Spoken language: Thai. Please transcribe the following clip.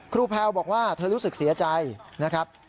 แพลวบอกว่าเธอรู้สึกเสียใจนะครับ